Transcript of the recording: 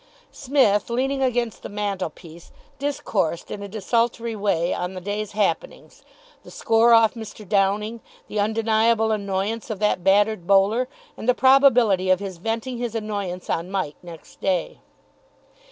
Psmith, leaning against the mantelpiece, discoursed in a desultory way on the day's happenings the score off Mr. Downing, the undeniable annoyance of that battered bowler, and the probability of his venting his annoyance on Mike next day.